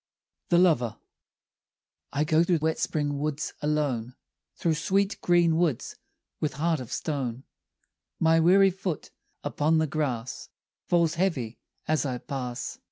THE LOVER I go through wet spring woods alone, Through sweet green woods with heart of stone, My weary foot upon the grass Falls heavy as I pass.